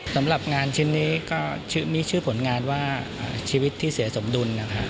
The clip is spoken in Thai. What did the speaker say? สำหรับงานชิ้นนี้ก็มีชื่อผลงานว่าชีวิตที่เสียสมดุลนะครับ